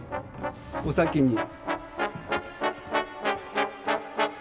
お先に。